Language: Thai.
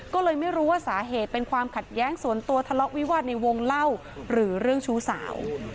ก็เลยไม่รู้ว่าสาเหตุเป็นความขัดแย้งส่วนตัวทะเลาะวิวาสในวงเล่าหรือเรื่องชู้สาว